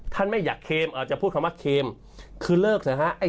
ท่านไม่อยากเคมเอ่อจะพูดคำว่าเคมคือเลิกสิฮะ